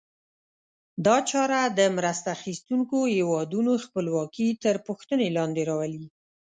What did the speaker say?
دا چاره د مرسته اخیستونکو هېوادونو خپلواکي تر پوښتنې لاندې راولي.